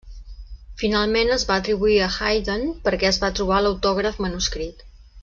Finalment es va atribuir a Haydn perquè es va trobar l'autògraf manuscrit.